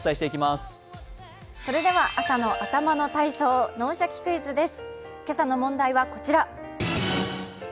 それでは朝の頭の体操、「脳シャキ！クイズ」です。